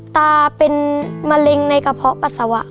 ตาเป็นมะเร็งในกระเพาะปัสสาวะ